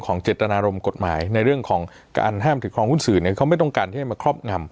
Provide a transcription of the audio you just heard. ก็กลายเป็นท่องการที่ให้มาชอบงำ